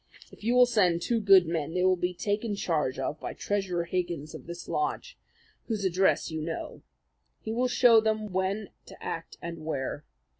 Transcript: You will send two good men, they will be taken charge of by Treasurer Higgins of this lodge, whose address you know. He will show them when to act and where.